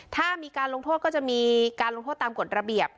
ถ้ามีการลงโทษก็จะมีการลงโทษตามกฎระเบียบ